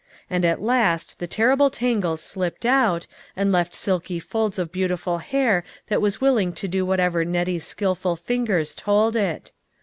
And at last the ter rible tangles slipped out, and left silky folds of beautiful hair that was willing to do whatever Nettie's skilful fingers told.it.